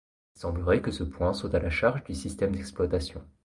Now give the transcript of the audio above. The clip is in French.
Il semblerait que ce point soit à la charge du système d'exploitation.